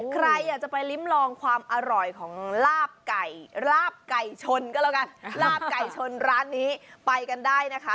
ใครอยากจะไปลิ้มลองความอร่อยของลาบไก่ลาบไก่ชนก็แล้วกันลาบไก่ชนร้านนี้ไปกันได้นะคะ